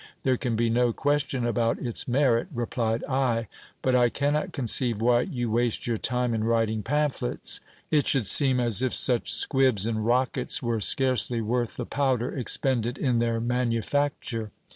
There can be no question about its merit, replied I : but I cannot conceive why you waste your time in writing pamphlets : it should seem as if such squibs and rockets were scarcely worth the powder expended in their manufacture.